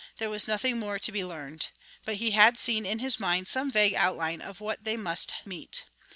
There was nothing more to be learned. But he had seen in his mind some vague outline of what they must meet.